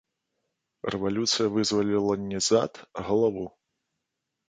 Рэвалюцыя вызваліла не зад, а галаву.